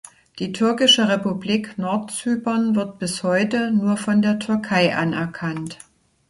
Die "Türkische Republik Nordzypern" wird bis heute nur von der Türkei anerkannt.